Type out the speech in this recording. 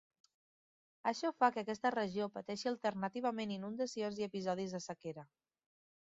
Això fa que aquesta regió pateixi alternativament inundacions i episodis de sequera.